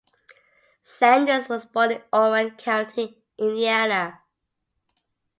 Sanders was born in Owen County, Indiana.